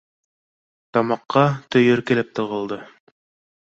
Тамаҡҡа төйөр килеп тығылды.